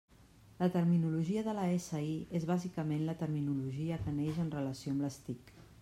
La terminologia de la SI és bàsicament la terminologia que neix en relació amb les TIC.